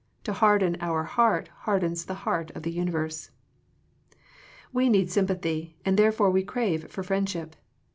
To harden our heart hardens the heart of the universe. We need sympathy, and therefore we crave for friendship.